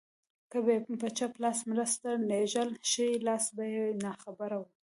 که به يې په چپ لاس مرسته لېږله ښی لاس به يې ناخبره و.